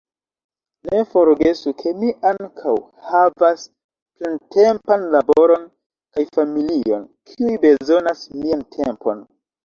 Ne forgesu ke mi ankaŭ havas plentempan laboron kaj familion, kiuj bezonas mian tempon.